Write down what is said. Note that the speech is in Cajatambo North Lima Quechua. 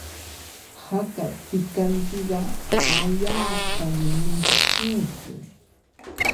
Haka pikantiqa allaapami mishkiykun.